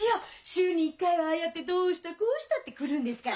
週に一回はああやって「どうしたこうした」って来るんですから。